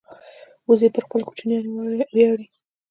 وزې پر خپلو کوچنیانو ویاړي